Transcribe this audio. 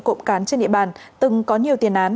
cộng cán trên địa bàn từng có nhiều tiền án